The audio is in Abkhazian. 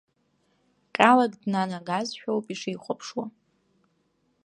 Ҟьалак днанагазшәоуп ишихәаԥшуа.